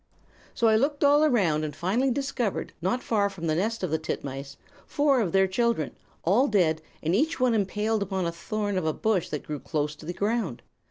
"So I looked all around and finally discovered, not far from the nest of the titmice, four of their children, all dead and each one impaled upon the thorn of a bush that grew close to the ground.